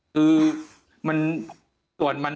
คือส่วนมัน